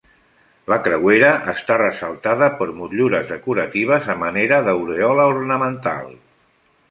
La creuera està ressaltada per motllures decoratives a manera d'aurèola ornamental.